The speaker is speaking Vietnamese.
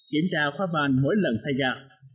kiểm tra khoa vàng mỗi lần thay gà